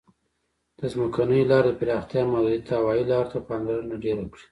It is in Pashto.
د ځمکنیو لارو د پراختیا محدودیت هوایي لارو ته پاملرنه ډېره کړې.